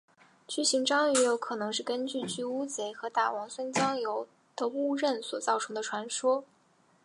巨型章鱼也有可能是根据巨乌贼和大王酸浆鱿的误认所造成的传说。